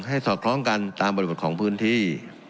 สอดคล้องกันตามบริบทของพื้นที่